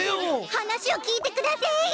話を聞いてくだせい！